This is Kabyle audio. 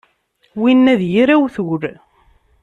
Winna d yir awtul.